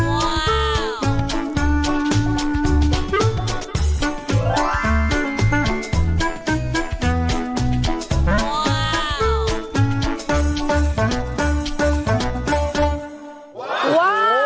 ว้าว